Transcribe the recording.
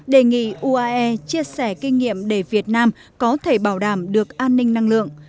đề nghị uae chia sẻ kinh nghiệm để việt nam có thể bảo đảm được an ninh năng lượng